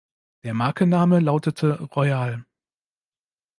Der Markenname lautete "Royale".